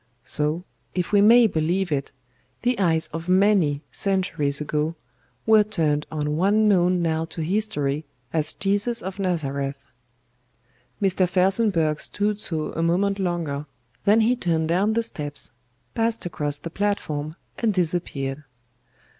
So, if we may believe it, the eyes of many, centuries ago, were turned on one known now to history as JESUS OF NAZARETH. "Mr. FELSENBURGH stood so a moment longer, then he turned down the steps, passed across the platform and disappeared.